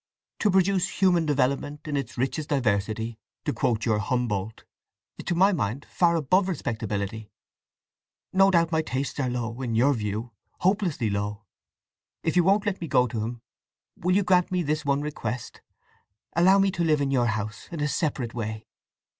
To produce "Human development in its richest diversity" (to quote your Humboldt) is to my mind far above respectability. No doubt my tastes are low—in your view—hopelessly low! If you won't let me go to him, will you grant me this one request—allow me to live in your house in a separate way?